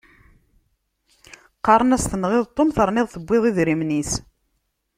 Qqaren-as tenɣiḍ Tom terniḍ tewwiḍ idrimen-is.